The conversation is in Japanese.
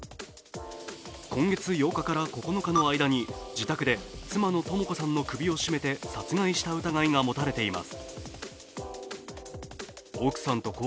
今月８日から９日の間に、自宅で妻の智子さんの首を絞めて殺害した疑いが持たれています。